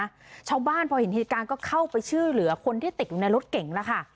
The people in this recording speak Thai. ด้วยอีกต่างหากนะชาวบ้านพอเห็นการก็เข้าไปชื่อเหลือคนที่ติดอยู่ในรถเก๋งแล้วค่ะ